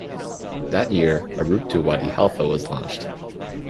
That year, a route to Wadi Halfa was launched.